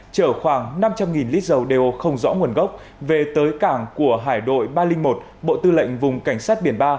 chở khoảng năm trăm linh lít dầu đều không rõ nguồn gốc về tới cảng của hải đội ba trăm linh một bộ tư lệnh vùng cảnh sát biển ba